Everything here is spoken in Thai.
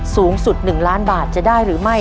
สูงสุด๑ล้านบาทจะได้หรือไม่